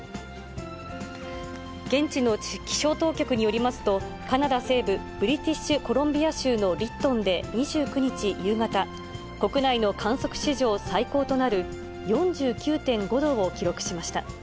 現地の気象当局によりますと、カナダ西部ブリティッシュ・コロンビア州のリットンで２９日夕方、国内の観測史上最高となる４９．５度を記録しました。